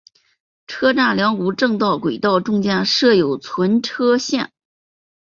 车站两股正线轨道中央设有存车线。